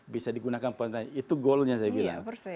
bisa digunakan pemain itu goalnya saya bilang